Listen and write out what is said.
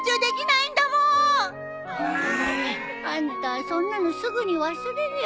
ええ。あんたそんなのすぐに忘れるよ。